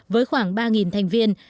với khoảng ba thành viên